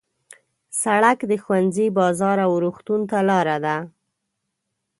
سړک د ښوونځي، بازار او روغتون ته لاره ده.